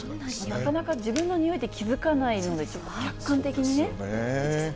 なかなか自分のにおいって気付かないので、客観的にね。